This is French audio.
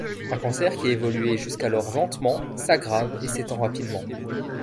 Un cancer qui évoluait jusqu'alors lentement, s'aggrave et s'étend rapidement.